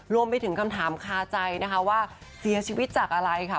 รวมไปถึงคำถามคาใจนะคะว่าเสียชีวิตจากอะไรค่ะ